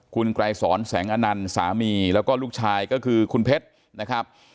คุณไกรสอนแสงอนันต์สามีแล้วก็ลูกชายก็คือคุณเพชรนะครับ